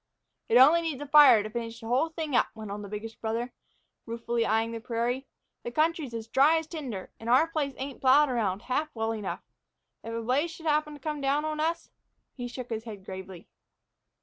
"It only needs a fire to finish the whole thing up," went on the biggest brother, ruefully eying the prairie. "The country's as dry as tinder. And our place ain't plowed around half well enough. If a blaze should happen to come down on us" he shook his head gravely.